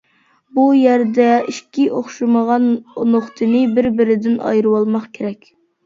بۇ يەردە ئىككى ئوخشىمىغان نۇقتىنى بىر-بىرىدىن ئايرىۋالماق كېرەك.